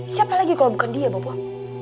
siapa lagi kalau bukan dia bapak